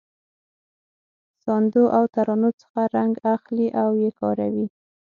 ساندو او ترانو څخه رنګ اخلي او یې کاروي.